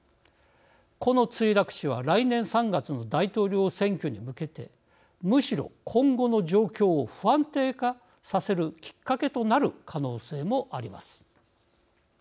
この墜落死は来年３月の大統領選挙に向けてむしろ、今後の状況を不安定化させるきっかけとなる可能性もあります。